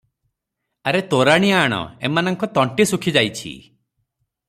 ଆରେ ତୋରାଣି ଆଣ, ଏମାନଙ୍କ ତଣ୍ଟି ଶୁଖିଯାଇଛି ।